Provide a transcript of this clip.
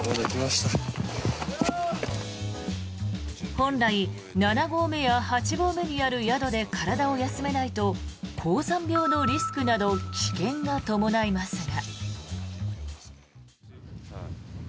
本来、七合目や八合目にある宿で体を休めないと高山病のリスクなど危険が伴いますが。